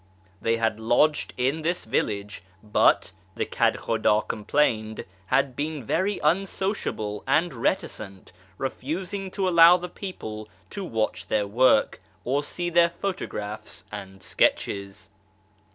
They had lodged in this village ; but, the Kedkhudd complained, had been very unsociable and reticent, refusing to allow the people to watch their work or see their photographs and sketches.